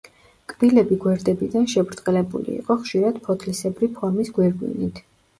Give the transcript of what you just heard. კბილები გვერდებიდან შებრტყელებული იყო ხშირად ფოთლისებრი ფორმის გვირგვინით.